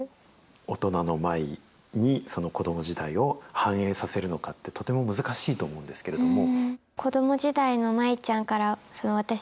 大人の舞に、その子ども時代を反映させるのかって、とても難しいと思うんですけれども。